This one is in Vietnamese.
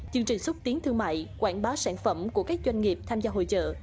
chương trình xúc tiến thương mại quảng bá sản phẩm của các doanh nghiệp tham gia hội trợ